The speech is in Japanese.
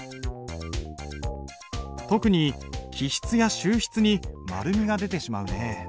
特に起筆や収筆に丸みが出てしまうねえ。